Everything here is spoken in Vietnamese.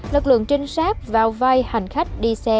lực lượng trinh sát vào vai hành khách đi xe